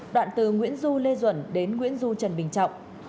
đoạn từ nguyễn du lê duẩn đến nguyễn du trần bình trọng